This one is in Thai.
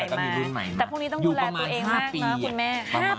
แต่พวกนี้ต้องดูแลตัวเองมากนะครับคุณแม่